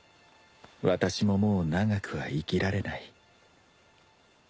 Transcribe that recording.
私ももう長くは生きられない。